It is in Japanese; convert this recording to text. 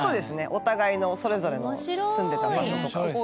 お互いのそれぞれの住んでた場所とか。